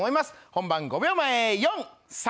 本番５秒前４３。